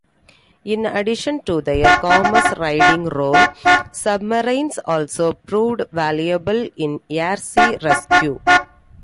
In addition to their commerce raiding role, submarines also proved valuable in air-sea rescue.